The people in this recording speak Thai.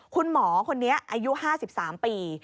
คุณหมอคนนี้อายุ๕๓ปี